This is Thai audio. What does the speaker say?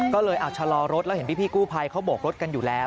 ก็เลยชะลอรถแล้วเห็นพี่กู้ภัยเขาโบกรถกันอยู่แล้ว